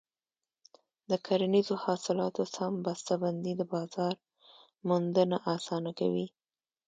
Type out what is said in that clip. د کرنیزو حاصلاتو سم بسته بندي د بازار موندنه اسانه کوي.